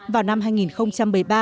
vào năm hai nghìn bảy mươi ba